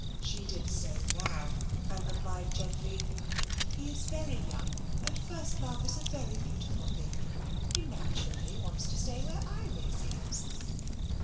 She did so now, and replied gently: " He is very young and first love is a very beautiful thing. He naturally wants to stay where Iris is."